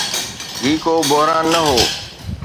هي ڪو بحران نه هو.